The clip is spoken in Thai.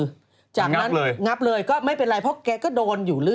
งับเลยงับเลยก็ไม่เป็นไรเพราะแกก็โดนอยู่เรื่อย